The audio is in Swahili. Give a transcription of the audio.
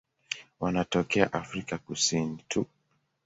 Wanatokea Afrika Kusini tu.